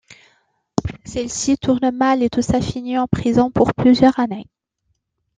Celle-ci tourne mal et Tousa finit en prison pour plusieurs années.